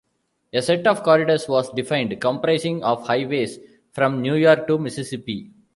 A set of corridors was defined, comprising of highways from New York to Mississippi.